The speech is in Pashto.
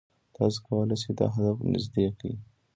تاسو کولای شئ دا هدف نږدې کړئ.